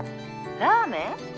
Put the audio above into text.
ラーメン？